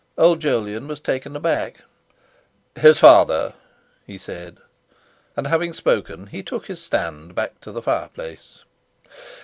Old Jolyon was taken aback. "His father," he said. And having spoken, he took his stand, back to the fireplace.